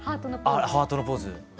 あれハートのポーズ。